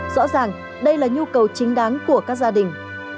rõ ràng đây là nhu cầu chính đáng của các gia đình